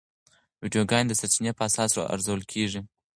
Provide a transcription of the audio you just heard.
ویډیوګانې د سرچینې په اساس ارزول کېږي.